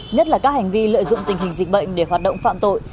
nhất là các hành vi lợi dụng tình hình dịch bệnh để hoạt động phạm tội